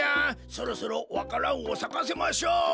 そろそろわか蘭をさかせましょう。